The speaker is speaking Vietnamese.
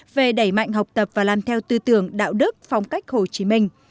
về đẩy mạnh học tập và làm theo tư tưởng đạo đức phong cách hồ chí minh